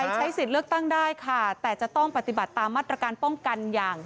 ใช้สิทธิ์เลือกตั้งได้ค่ะแต่จะต้องปฏิบัติตามมาตรการป้องกันอย่าง